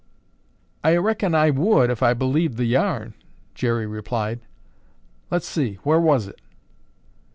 "I reckon I would, if I believed the yarn," Jerry replied. "Let's see! Where was it?"